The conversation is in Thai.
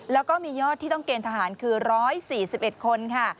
และมียอดที่ต้องเกณฑ์ทหารคือ๑๔๑คน